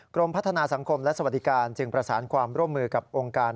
กรมพัฒนาสังคมและสวัสดิการจึงประสานความร่วมมือกับองค์การ